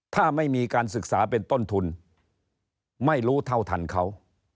ถ้าไม่มีการศึกษาเป็นต้นทุนไม่รู้เท่าทันเขา